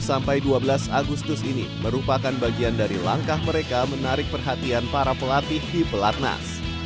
sampai dua belas agustus ini merupakan bagian dari langkah mereka menarik perhatian para pelatih di pelatnas